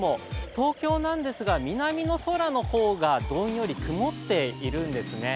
東京なんですが、南の空の方がどんより曇っているんですね。